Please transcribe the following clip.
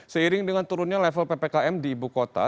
seiring dengan turunnya level ppkm di ibu kota